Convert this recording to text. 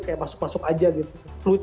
kayak masuk masuk aja gitu fluid